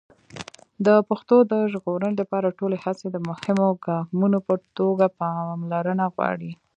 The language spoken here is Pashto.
د پښتو د ژغورنې لپاره ټولې هڅې د مهمو ګامونو په توګه پاملرنه غواړي.